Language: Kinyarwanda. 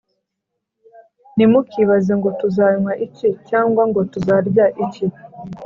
Nimukibaze ngo tuzanywa iki cyangwa ngo tuzarya iki